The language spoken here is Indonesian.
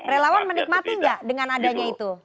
relawan menikmati nggak dengan adanya itu